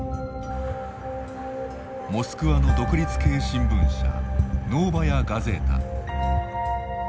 モスクワの独立系新聞社ノーバヤ・ガゼータ。